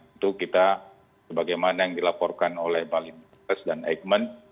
itu kita sebagaimana yang dilaporkan oleh balis dan eijkman